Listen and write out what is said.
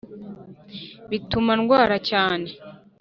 bituma ndwara cyane